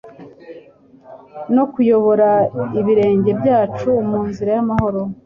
no kuyobora ibirenge byacu mu nzira y'amahoro."